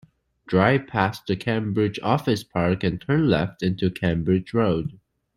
Drive past the Cambridge office park and turn left into Cambridge Road.